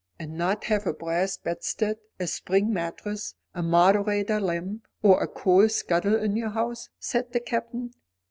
"And not have a brass bedstead, a spring mattress, a moderator lamp, or a coal scuttle in your house," said the captain.